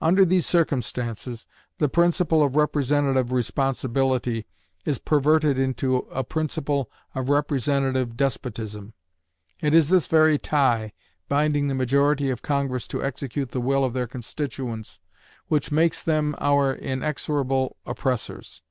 Under these circumstances, the principle of representative responsibility is perverted into a principle of representative despotism. It is this very tie, binding the majority of Congress to execute the will of their constituents, which makes them our inexorable oppressors.